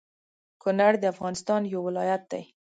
کونړ د افغانستان يو ولايت دى